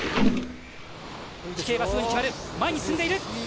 飛型はすぐに決まる、前に進んでいる。